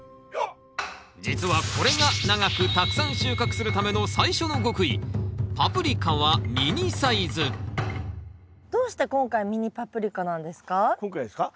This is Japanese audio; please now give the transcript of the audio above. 実はこれが長くたくさん収穫するための最初の極意どうして今回ミニパプリカなんですか？